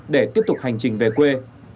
để tiếp tục hành trình về quê